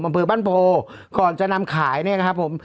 อำเภอบ้านโพก่อนจะนำขายเนี่ยนะครับผม